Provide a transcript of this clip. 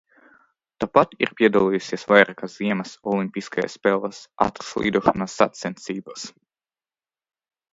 Tāpat ir piedalījusies vairākās ziemas olimpiskajās spēlēs ātrslidošanas sacensībās.